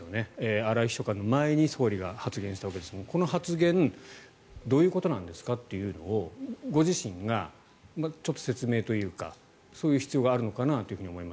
荒井秘書官の前に総理が発言したわけですがこの発言どういうことなんですかというのをご自身がちょっと説明というかする必要があるのかなと思います